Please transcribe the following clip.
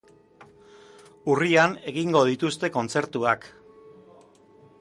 Urrian egingo dituzte kontzertuak.